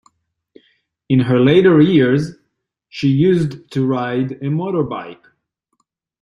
In her later years she used to ride a motorbike